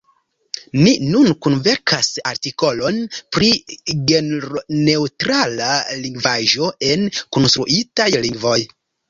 Ni nun kunverkas artikolon pri genroneŭtrala lingvaĵo en konstruitaj lingvoj.